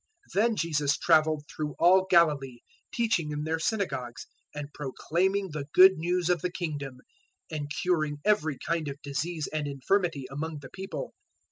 004:023 Then Jesus travelled through all Galilee, teaching in their synagogues and proclaiming the Good News of the Kingdom, and curing every kind of disease and infirmity among the people.